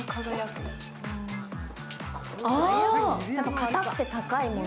硬くて高いもの。